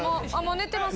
寝てます。